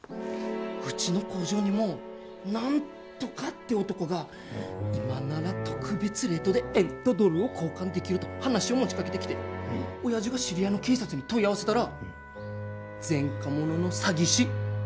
うちの工場にもナントカって男が今なら特別レートで円とドルを交換できると話を持ちかけてきて親父が知り合いの警察に問い合わせたら前科者の詐欺師。